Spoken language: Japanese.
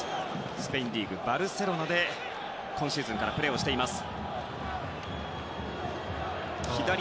スペインリーグのバルセロナで今シーズンからプレーしています。